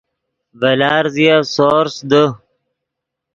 ڤے لارزیف سورس دے